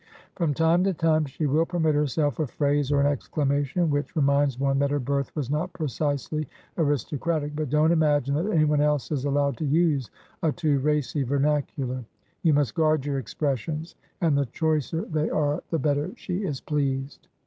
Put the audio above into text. From time to time she will permit herself a phrase or an exclamation which reminds one that her birth was not precisely aristocratic; but don't imagine that anyone else is allowed to use a too racy vernacular; you must guard your expressions, and the choicer they are the better she is pleased.